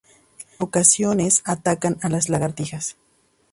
En ocasiones atacan a lagartijas.